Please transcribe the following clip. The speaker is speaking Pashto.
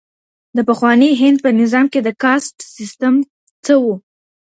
د پخواني هند په نظام کي د کاسټ سیستم څه و؟